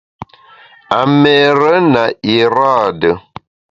A méére na iraade.